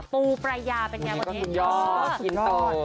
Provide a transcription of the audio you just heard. ปูปรายยาเป็นยังไงวันนี้ก็สุดยอดสุดยอด